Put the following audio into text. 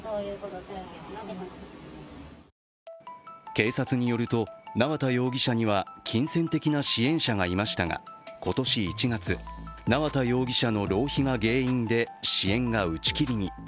警察によると縄田容疑者には金銭的な支援者がいましたが今年１月、縄田容疑者の浪費が原因で支援が打ち切りに。